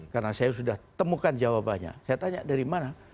karena saya sudah temukan jawabannya saya tanya dari mana